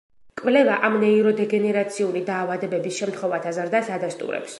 კვლევა, ამ ნეიროდეგენერაციული დაავადებების შემთხვევათა ზრდას ადასტურებს.